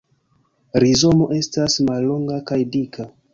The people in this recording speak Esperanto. Rizomo estas mallonga kaj dika.